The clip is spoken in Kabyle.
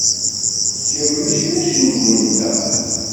Kemm mačči d acengu-nteɣ.